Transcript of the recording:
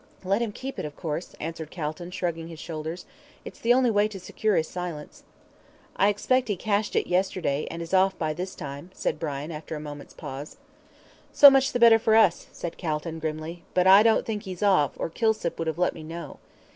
"Let him keep it, of course," answered Calton, shrugging his shoulders. "It's the only way to secure his silence." "I expect he cashed it yesterday, and is off by this time," said Brian, after a moment's pause. "So much the better for us," said Calton, grimly. "But I don't think he's off, or Kilsip would have let me know.